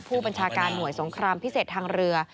ผู้บัญชาการหน่วยสงครามพิเศษทางเรือ